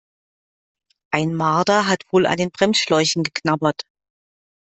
Ein Marder hat wohl an den Bremsschläuchen geknabbert.